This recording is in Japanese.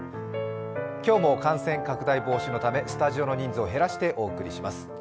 今日も感染拡大防止のためスタジオの人数を減らしてお伝えします。